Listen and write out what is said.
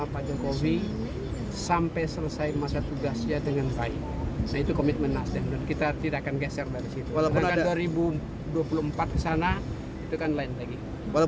politik tidak ada masalah itu